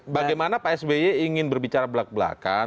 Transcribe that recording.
bagaimana pak sby ingin berbicara belak belakan